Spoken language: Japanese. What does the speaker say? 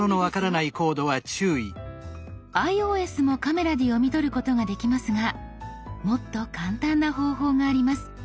ｉＯＳもカメラで読み取ることができますがもっと簡単な方法があります。